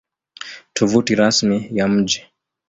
Tovuti Rasmi ya Mji